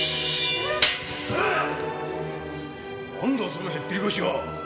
何だそのへっぴり腰は！